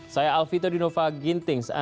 saya harus kerjain dulu